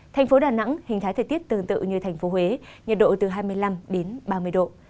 thành phố đà nẵng hình thái thời tiết tương tự như thành phố huế nhiệt độ từ hai mươi năm đến ba mươi độ